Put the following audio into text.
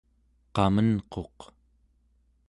qamenquq